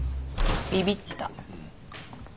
ビビった。